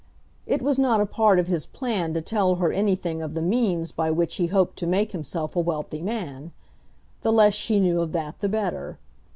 It was not a part of his plan to tell her anything of the means by which he hoped to make himself a wealthy man. The less she knew of that the better.